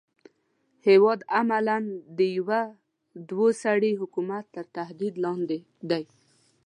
هېواد عملاً د يوه دوه سري حکومت لخوا تر تهدید لاندې دی.